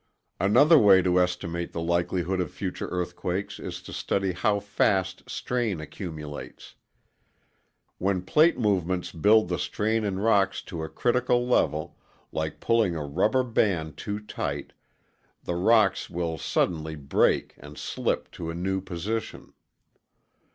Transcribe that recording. Another way to estimate the likelihood of future earthquakes is to study how fast strain accumulates. When plate movements build the strain in rocks to a critical level, like pulling a rubber band too tight, the rocks will suddenly break and slip to a new position.